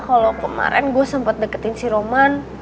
kalau kemarin gue sempat deketin si roman